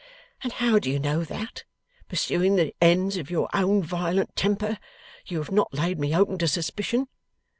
And how do you know that, pursuing the ends of your own violent temper, you have not laid me open to suspicion?